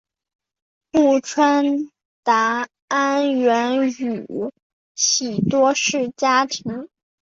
户川达安原宇喜多氏家臣。